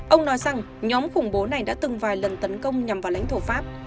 ông nói rằng nhóm khủng bố này đã từng vài lần tấn công nhằm vào lãnh thổ pháp